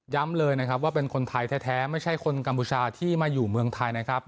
เลยนะครับว่าเป็นคนไทยแท้ไม่ใช่คนกัมพูชาที่มาอยู่เมืองไทยนะครับ